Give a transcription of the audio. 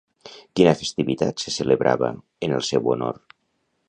Quina festivitat se celebrava en el seu honor?